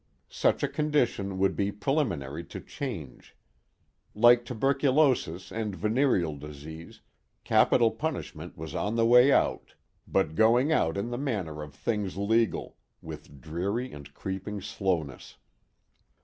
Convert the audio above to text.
Such a condition would be preliminary to change. Like tuberculosis and venereal disease, capital punishment was on the way out but going out in the manner of things legal, with dreary and creeping slowness.